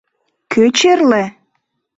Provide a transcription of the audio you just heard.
— Кӧ черле?